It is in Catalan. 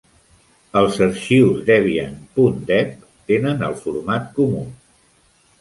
Els arxius debian ".deb" tenen el format comú.